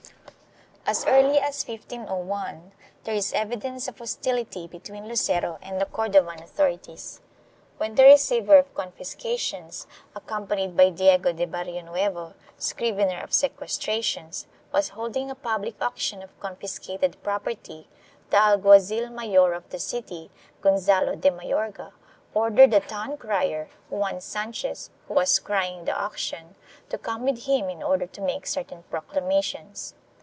1 As early as 1501 there is evidence of hostility between Lucero and the Cordovan authorities. When the receiver of confiscations, accompanied by Diego de Barrionuevo, scrivener of sequestra tions, was holding a public auction of confiscated property, the alguazil mayor of the city, Gonzalo de Mayorga, ordered the town crier, Juan Sanchez, who was crying the auction, to come with him in order to make certain proclamations.